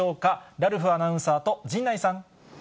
ラルフアナウンサーと陣内さん。